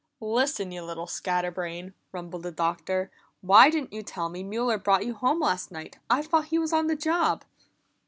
"Listen, you little scatter brain!" rumbled the Doctor. "Why didn't you tell me Mueller brought you home last night? I thought he was on the job."